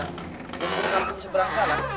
lumbung kampung seberang salah